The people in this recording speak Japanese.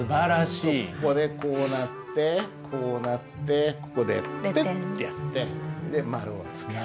ここでこうなってこうなってここでピッとやってで丸をつける。